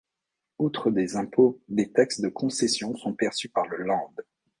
Outre des impôts, des taxes de concession sont perçues par le Land.